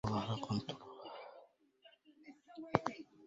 وظهري قنطرهْ